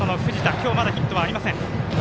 今日はヒットありません。